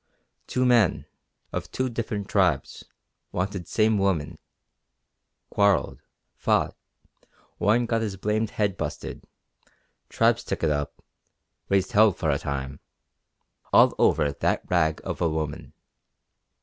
Two men, of two different tribes, wanted same woman; quarrelled; fought; one got his blamed head busted; tribes took it up; raised hell for a time all over that rag of a woman!